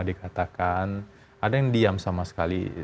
dikatakan ada yang diam sama sekali